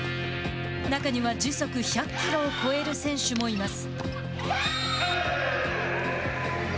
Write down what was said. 中には時速１００キロを超える選手もいます。